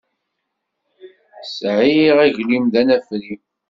Sɛiɣ aglim d anafri.